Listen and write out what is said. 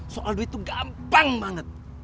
soal duit itu gampang banget